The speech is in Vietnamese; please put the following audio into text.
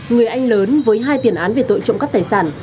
người anh lớn với hai tiền án về tội trộm cắp tài sản